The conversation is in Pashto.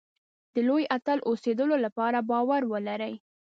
د لوی اتل اوسېدلو لپاره باور ولرئ.